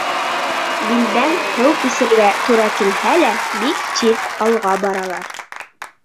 Билдән һыу кисергә тура килһә лә, бик тиҙ алға баралар.